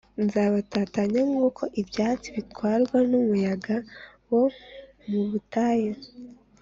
Nzabatatanya s nk uko ibyatsi bitwarwa n umuyaga wo mu butayu